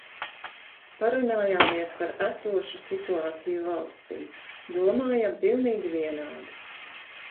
Parunājāmies par esošu situāciju valstī. Domājam pilnīgi vienādi.